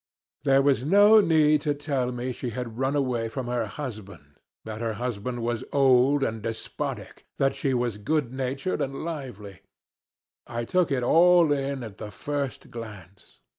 There was no need to tell me she had run away from her husband, that her husband was old and despotic, that she was good natured and lively; I took it all in at the first glance.